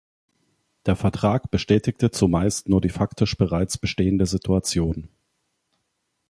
Der Vertrag bestätigte zumeist nur die faktisch bereits bestehende Situation.